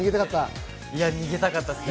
逃げたかったですね。